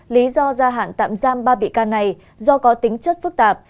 lý do gia hạn tạm giam ba bị can này do có tính chất phức tạp